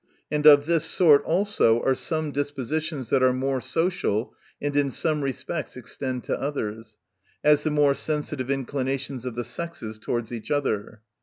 And of this sort also are some dispositions that are more social, and in some respects extend to others ; as, the more sensitive inclinations of the sexes towards each other.